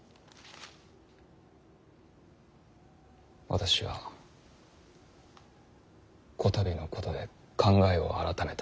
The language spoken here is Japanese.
私はこたびのことで考えを改めた。